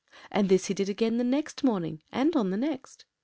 And this he did again on the next morning, and on the next.